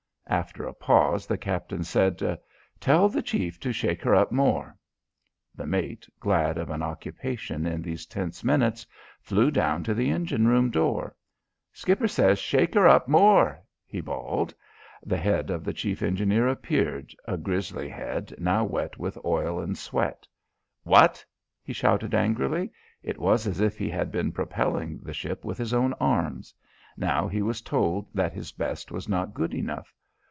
After a pause the captain said: "Tell the chief to shake her up more." The mate, glad of an occupation in these tense minutes, flew down to the engine room door. "Skipper says shake 'er up more!" he bawled. The head of the chief engineer appeared, a grizzly head now wet with oil and sweat. "What?" he shouted angrily. It was as if he had been propelling the ship with his own arms. Now he was told that his best was not good enough.